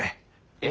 え！？